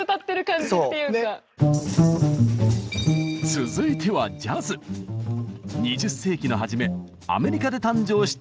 続いては２０世紀の初めアメリカで誕生したジャズ。